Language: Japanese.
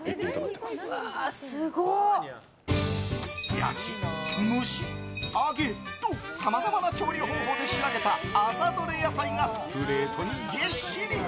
焼き、蒸し、揚げとさまざまな調理方法で仕上げた朝どれ野菜がプレートにぎっしり。